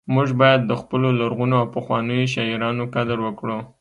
موږ باید د خپلو لرغونو او پخوانیو شاعرانو قدر وکړو